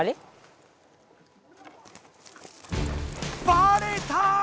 バレた！